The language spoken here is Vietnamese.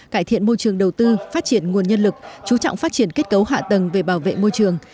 cải thiện môi trường đầu tư phát triển nguồn nhân lực chú trọng phát triển kết cấu hạ tầng về bảo vệ môi trường